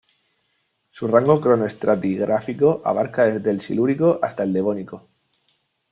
Su rango cronoestratigráfico abarca desde el Silúrico hasta el Devónico.